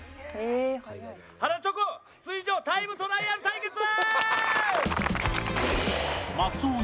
ハラチョコ水上タイムトライアル対決だ！